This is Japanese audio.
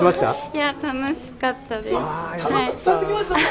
いや、楽しかったです。